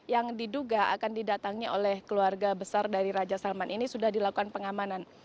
yang diduga akan didatangi oleh keluarga besar dari raja salman ini sudah dilakukan pengamanan